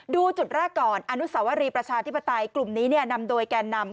ดูจุดแรกก่อนอนุสาวรีประชาธิปไตยกลุ่มนี้นำโดยแกนนำ